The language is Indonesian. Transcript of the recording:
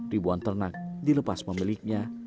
ribuan ternak dilepas memiliknya